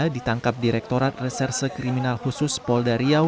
ditangkap direktorat reserse kriminal khusus polda riau